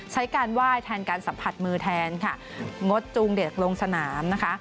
ใช้การไหว้แทนการสัมผัสมือแทนค่ะงดจูงเด็กลงสนามนะคะ